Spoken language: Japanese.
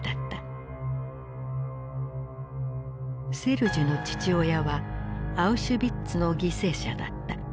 セルジュの父親はアウシュビッツの犠牲者だった。